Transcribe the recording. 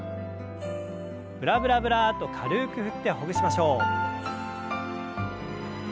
ブラブラブラッと軽く振ってほぐしましょう。